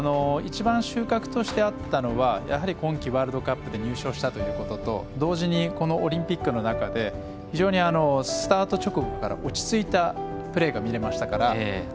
一番収穫としてあったのは今季、ワールドカップで優勝したということと同時に、オリンピックの中でスタート直後から落ち着いたプレーが見られましたから。